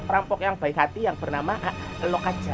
rampok yang baik hati yang bernama lokajaya